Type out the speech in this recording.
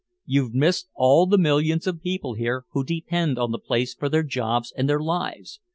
You've missed all the millions of people here who depend on the place for their jobs and their lives.